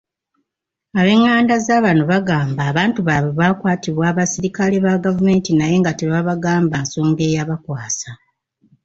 Abenganda zabano bagamba abantu baabwe baakwatibwa abasirikale ba gavumenti naye nga tebaabagamba nsonga eyabakwasa.